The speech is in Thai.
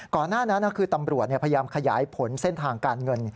หน้านั้นคือตำรวจพยายามขยายผลเส้นทางการเงิน